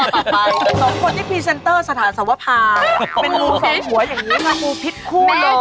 น้องพ่อยที่พรีเซนเตอร์ศาสตร์สวภาคมาลู้สองหัวอย่างนี้มาลู้พิษคู่เลย